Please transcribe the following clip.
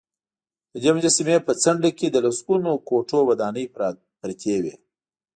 ددې مجسمې په څنډې کې د لسګونو کوټو ودانې پراته وې.